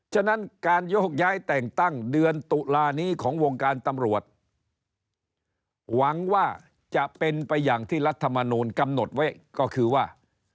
ฉะนั้นการโยกย้ายแต่งตั้งเดือนตุลานี้ของวงการตำรวจหวังว่าจะเป็นไปอย่างที่รัฐมนูลกำหนดไว้ก็คือว่า